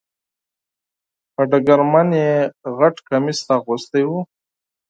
په ډګرمن یې غټ کمیس اغوستی و .